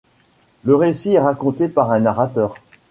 Le récit est raconté par un narrateur.